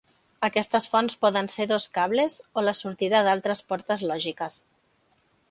Aquestes fonts poden ser dos cables o la sortida d'altres portes lògiques.